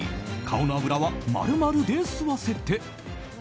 顔の脂は○○で吸わせて。